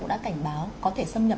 cũng đã cảnh báo có thể xâm nhập